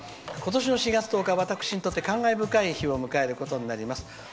「今年の４月１０日、私にとって感慨深い日を迎えることになります。